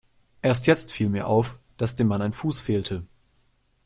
Erst jetzt fiel mir auf, dass dem Mann ein Fuß fehlte.